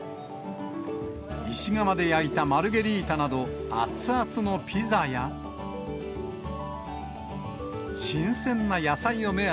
石窯で焼いたマルゲリータなど、熱々のピザや、新鮮な野菜を目当